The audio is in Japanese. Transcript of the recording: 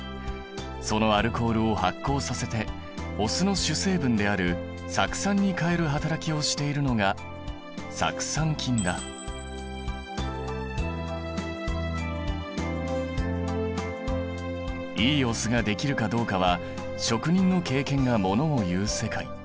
そのアルコールを発酵させてお酢の主成分である酢酸に変える働きをしているのがいいお酢ができるかどうかは職人の経験がものをいう世界。